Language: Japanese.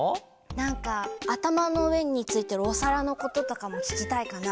なんかあたまのうえについてるおさらのこととかもききたいかな。